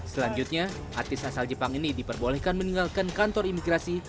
selanjutnya artis asal jepang ini diperbolehkan meninggalkan kantor imigrasi